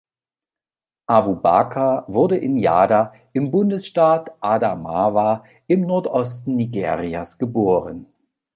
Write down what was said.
Abubakar wurde in Jada im Bundesstaat Adamawa im Nordosten Nigerias geboren.